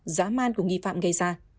giá man của nghi phạm gây ra